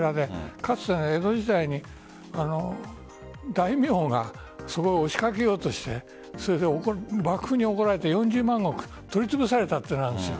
かつて、江戸時代に大名がそこに押しかけようとして幕府に怒られて４０万石取りつぶされたというのがあるんです。